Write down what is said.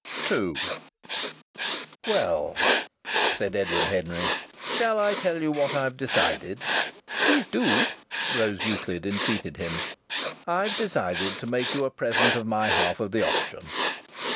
II "Well," said Edward Henry, "shall I tell you what I've decided?" "Please do!" Rose Euclid entreated him. "I've decided to make you a present of my half of the option."